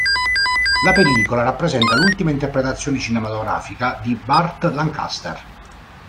La pellicola rappresenta l'ultima interpretazione cinematografica di Burt Lancaster.